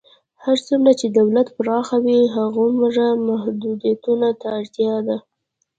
هر څومره چې دولت پراخ وي، هماغومره محدودیتونو ته اړتیا ده.